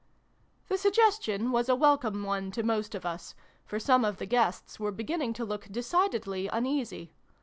The suggestion was a welcome one to most of us, for some of the guests were beginning to look decidedly uneasy.